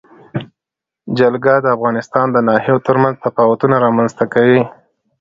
جلګه د افغانستان د ناحیو ترمنځ تفاوتونه رامنځ ته کوي.